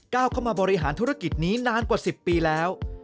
เข้ามาบริหารธุรกิจนี้นานกว่า๑๐ปีแล้ว